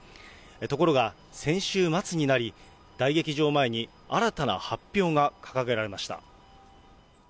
ところが、先週末になり、大劇場前に、新たな発表が掲げられました。